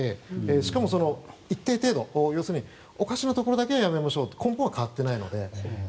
しかも、一定程度要するにおかしなところだけやめましょうと根本は変わってないので。